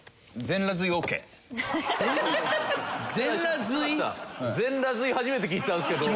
「全裸吸い」初めて聞いたんですけど。